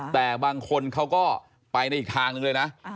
แต่บางคนเขาก็ไปในอีกทางหนึ่งเลยนะ